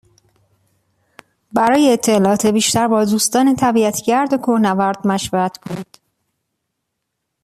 برای اطلاعات بیشتر با دوستان طبیعت گرد و کوهنورد مشورت کنید.